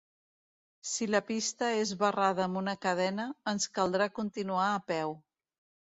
Si la pista és barrada amb una cadena, ens caldrà continuar a peu.